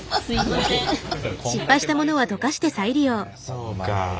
そうか。